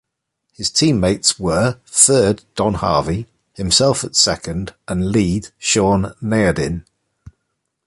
His teammates were: third, Don Harvey, himself at second, and lead Sean Nedohin.